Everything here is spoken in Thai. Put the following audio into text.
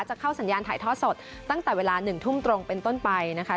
เข้าสัญญาณถ่ายทอดสดตั้งแต่เวลา๑ทุ่มตรงเป็นต้นไปนะคะ